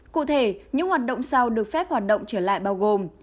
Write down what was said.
cụ thể những hoạt động sau được phép hoạt động trở lại bao gồm